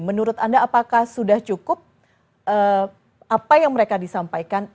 menurut anda apakah sudah cukup apa yang mereka disampaikan